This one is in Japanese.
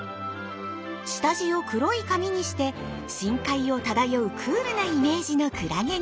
下地を黒い紙にして深海を漂うクールなイメージのクラゲに。